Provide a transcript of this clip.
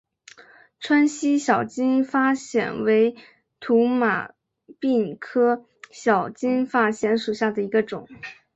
川西小金发藓为土马鬃科小金发藓属下的一个种。